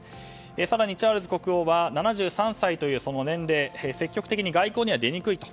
更に、チャールズ国王は７３歳というその年齢積極的に外交には出にくいと。